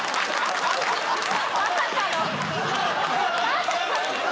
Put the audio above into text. まさかの。